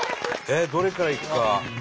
えっどれからいくか。